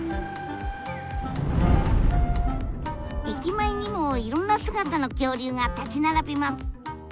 駅前にもいろんな姿の恐竜が立ち並びます。